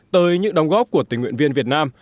tới những đóng góp của tình nguyện viên việt nam